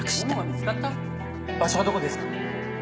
場所はどこですか？